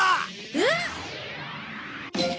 えっ！？